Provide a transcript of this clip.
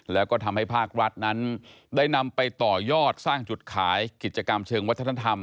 แล้วก็ทำให้ภาครัฐนั้นได้นำไปต่อยอดสร้างจุดขายกิจกรรมเชิงวัฒนธรรม